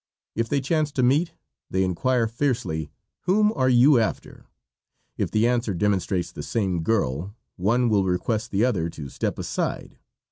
If they chance to meet they inquire, fiercely, "Whom are you after?" If the answer demonstrates the same girl, one will request the other to step aside.